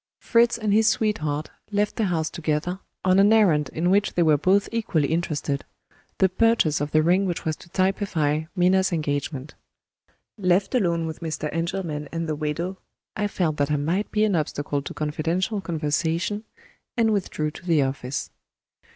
Fritz and his sweetheart left the house together, on an errand in which they were both equally interested the purchase of the ring which was to typify Minna's engagement. Left alone with Mr. Engelman and the widow, I felt that I might be an obstacle to confidential conversation, and withdrew to the office.